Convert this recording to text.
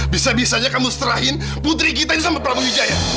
bisa bisanya kamu serahin putri kita ini sama pramu wijaya